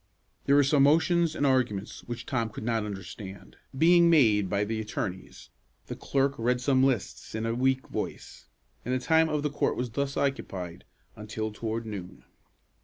There were some motions and arguments which Tom could not understand, being made by the attorneys; the clerk read some lists in a weak voice, and the time of the court was thus occupied until toward noon.